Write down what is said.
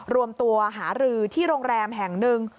รวมตัวหารือที่โรงแรมแห่งหนึ่ง